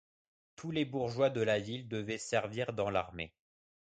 Tous les bourgeois de la ville devaient servir dans l’armée.